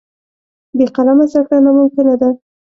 بې قلمه زده کړه ناممکنه ده.